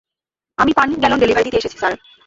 আমি পানির gallon delivery দিতে এসেছি, স্যার।